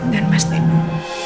dan mas timur